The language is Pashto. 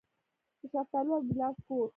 د شفتالو او ګیلاس کور.